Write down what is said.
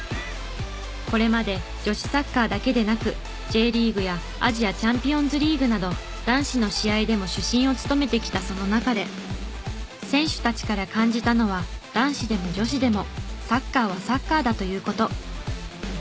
これまで女子サッカーだけでなくＪリーグやアジアチャンピオンズリーグなど男子の試合でも主審を務めてきたその中で選手たちから感じたのは男子でも女子でもサッカーはサッカーだという事。